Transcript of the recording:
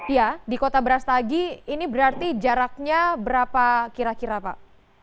ya di kota brastagi ini berarti jaraknya berapa kira kira pak